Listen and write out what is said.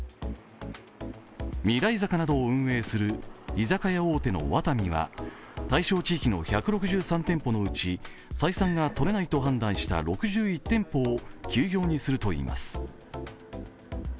ミライザカなどを運営する居酒屋大手のワタミは対象地域の１６３店舗のうち、採算が取れないと判断した６１店舗を休業にするといいます。